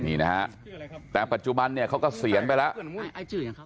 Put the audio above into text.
นี่นะฮะแต่ปัจจุบันเนี่ยเขาเกษียณไปแล้ว